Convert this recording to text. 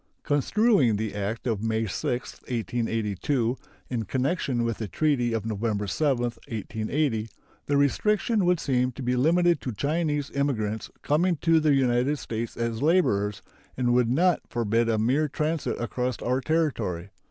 Construing the act of May 6, 1882, in connection with the treaty of November 7, 1880, the restriction would seem to be limited to Chinese immigrants coming to the United States as laborers, and would not forbid a mere transit across our territory.